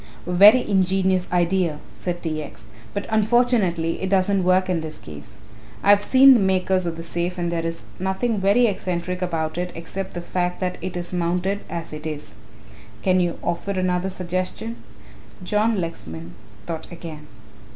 "A very ingenious idea," said T. X., "but unfortunately it doesn't work in this case. I have seen the makers of the safe and there is nothing very eccentric about it except the fact that it is mounted as it is. Can you offer another suggestion?" John Lexman thought again.